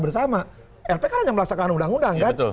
bersama rp kan hanya melaksanakan undang undang kan